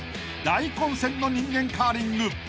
［大混戦の人間カーリング］